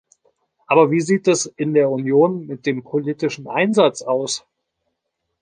Aber wie sieht es in der Union mit dem politischen Einsatz aus?